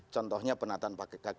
contohnya penataan kk lima